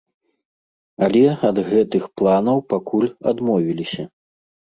Але ад гэтых планаў пакуль адмовіліся.